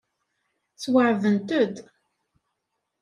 Sweɛdent-d.